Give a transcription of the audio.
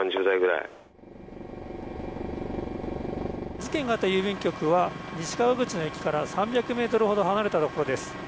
事件があった郵便局は西川口の駅から３００ｍほど離れたところです。